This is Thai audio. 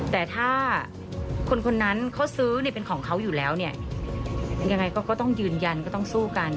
แต่ถ้าคนคนนั้นเขาซื้อเนี่ยเป็นของเขาอยู่แล้วเนี่ยยังไงก็ต้องยืนยันก็ต้องสู้กัน